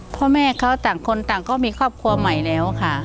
พ่อแม่เขาต่างคนต่างก็มีครอบครัวใหม่แล้วค่ะ